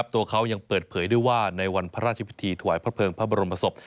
ตัวเขายังเปิดเผยด้วยว่าในวันพระราชพิธีถวายพระเภิงพระบรมศพ